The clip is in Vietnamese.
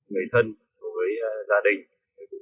người thân đối với gia đình